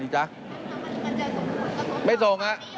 ไม่มีคำสั่ง